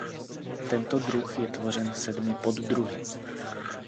Tento druh je tvořen sedmi poddruhy.